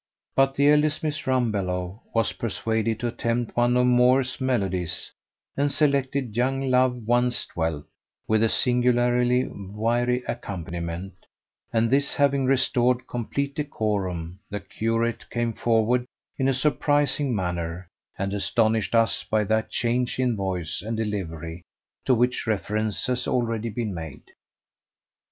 But the eldest Miss Rumbelow was persuaded to attempt one of Moore's melodies, and selected "Young Love Once Dwelt," with a singularly wiry accompaniment, and this having restored complete decorum the curate came forward in a surprising manner, and astonished us by that change in voice and delivery to which reference has already been made.